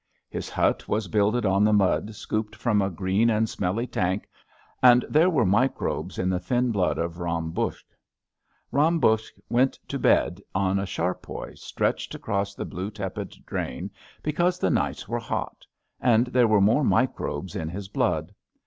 His hut was builded on the mud scooped from a green and smelly tank, and there were microbes in the thin blood of Ram Buksh. Ram Buksh went to bed on a charpoy stretched across the blue tepid drain, because the nights were hot; and there were more microbes in his blood.